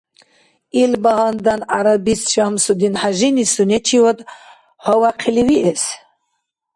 Илбагьандан гӀярабист ШамсудинхӀяжини сунечивад гьавяхъили виэс?